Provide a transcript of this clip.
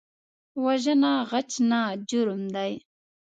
وژنه غچ نه، جرم دی